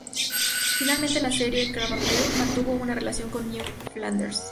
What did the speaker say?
Finalmente en la serie, Krabappel mantuvo una relación con Ned Flanders.